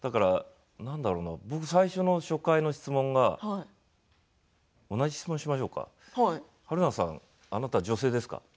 僕、初回の質問が同じ質問しましょうか春菜さん、あなたは女性ですか？